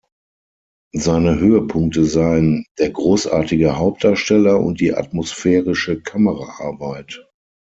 Seine „Höhepunkte“ seien „der großartige Hauptdarsteller und die atmosphärische Kameraarbeit“.